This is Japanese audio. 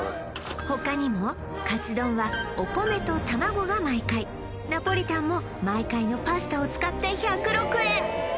他にもカツ丼はお米と卵がｍｙｋａｉナポリタンもｍｙｋａｉのパスタを使って１０６円